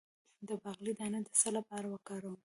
د باقلي دانه د څه لپاره وکاروم؟